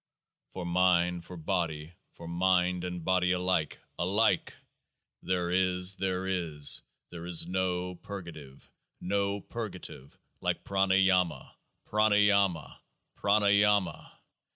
For mind, for body, for mind and body alike — alike !— there is, there is, there is no purga tive, no purgative like Pranayama — Prana yama !— Pranayama